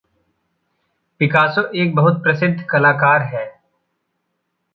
Picasso एक बहुत प्रसिद्ध कलाकार है।